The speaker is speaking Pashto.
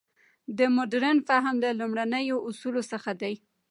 د مډرن فهم له لومړنیو اصولو څخه دی.